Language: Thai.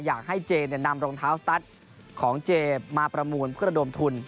อยากให้เจนแนะนำรองเท้าสตั๊ดของเจมาประมูลเพื่อระดมทุน